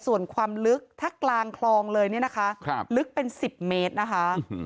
ส่วนความลึกถ้ากลางคลองเลยเนี่ยนะคะลึกเป็น๑๐เมตรนะคะ